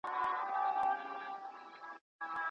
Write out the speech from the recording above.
نه به دي پاېزېب هره مسرۍ کۍ شرنګېدلی وي